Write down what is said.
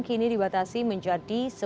kini dibatasi menjadi sepuluh